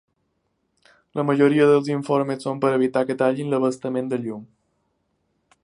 La majoria dels informes són per evitar que tallin l’abastament de llum.